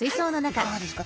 いかがですか？